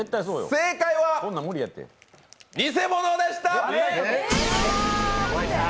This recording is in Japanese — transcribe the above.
正解は、偽物でした！